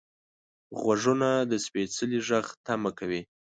غوږونه د سپیڅلي غږ تمه کوي